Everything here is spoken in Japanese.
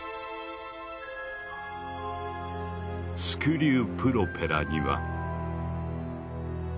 スクリュープロペラには「４０１」